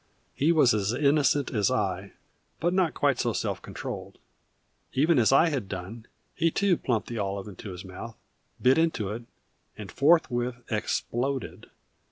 He was as innocent as I, but not quite so self controlled. Even as I had done, he too plumped the olive into his mouth, bit into it and forthwith exploded.